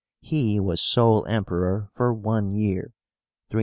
He was sole Emperor for one year (394 395).